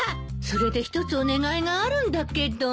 それで一つお願いがあるんだけど。